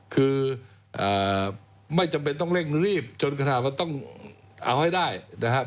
คือไม่จำเป็นต้องเร่งรีบจนกระทั่งว่าต้องเอาให้ได้นะครับ